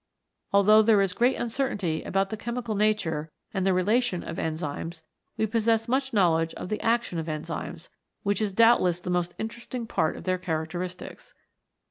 Although there is great uncertainty about the chemical nature and relation of enzymes we possess much knowledge of the action of enzymes, which is doubtless the most interesting part of their characteristics.